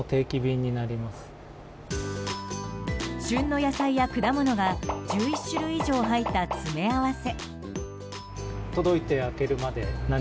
旬の野菜や果物が１１種類以上入った詰め合わせ。